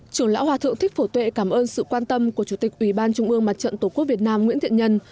chủ lão hòa thượng thích phổ tuệ cảm ơn sự quan tâm của chủ tịch ubnd mặt trận tổ quốc việt nam nguyễn thiện nhân